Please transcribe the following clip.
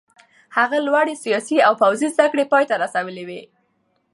هغه لوړې سیاسي او پوځي زده کړې پای ته رسولې وې.